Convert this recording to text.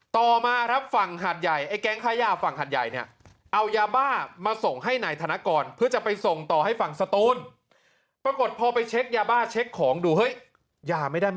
ต่อมาฝั่งหาดใหญ่แก๊งค้ายาฝั่งหาดใหญ่เนี่ย